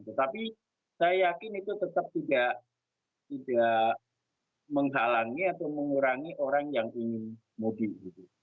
tetapi saya yakin itu tetap tidak menghalangi atau mengurangi orang yang ingin mudik gitu